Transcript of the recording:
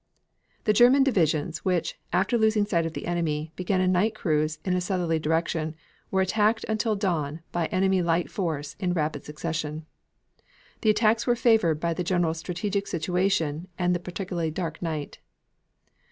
The German divisions, which, after losing sight of the enemy, began a night cruise in a southerly direction, were attacked until dawn by enemy light force in rapid succession. The attacks were favored by the general strategic situation and the particularly dark night.